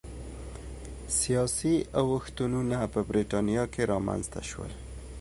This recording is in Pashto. سیاسي اوښتونونه په برېټانیا کې رامنځته شول.